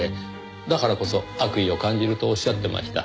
だからこそ悪意を感じるとおっしゃってました。